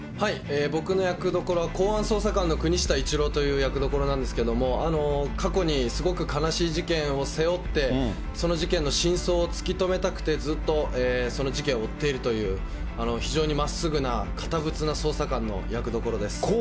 僕の役どころは、公安捜査官の国下一狼という役どころなんですけれども、過去にすごく悲しい事件を背負って、その事件の真相を突き止めたくて、ずっとその事件を追っているという、非常にまっすぐな、堅物な捜査官の役どころです。